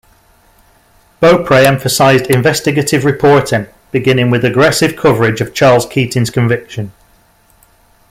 Beaupre emphasized investigative reporting, beginning with aggressive coverage of Charles Keating's conviction.